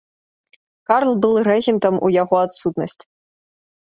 Карл быў рэгентам у яго адсутнасць.